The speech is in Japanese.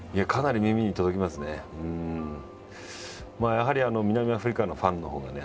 やはり南アフリカのファンのほうがね